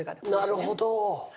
なるほど。